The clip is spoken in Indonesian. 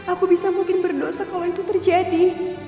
aku bisa mungkin berdosa kalau itu terjadi